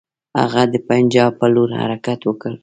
هغه د پنجاب پر لور حرکت وکړ.